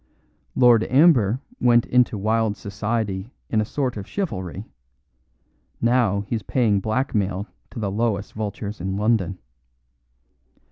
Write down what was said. Lord Amber went into wild society in a sort of chivalry; now he's paying blackmail to the lowest vultures in London.